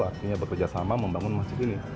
artinya bekerja sama membangun masjid ini